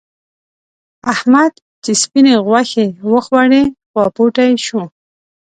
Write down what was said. احمد چې سپينې غوښې وخوړې؛ خواپوتی شو.